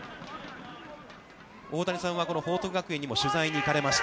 大畑さんはこの報徳学園にも取材に行かれました。